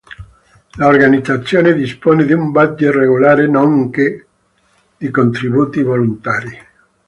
L'organizzazione dispone di un "budget" regolare nonché di contributi volontari.